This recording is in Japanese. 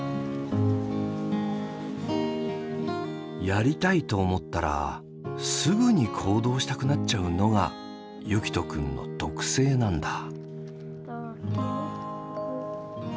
やりたいと思ったらすぐに行動したくなっちゃうのが結季斗くんの特性なんだ。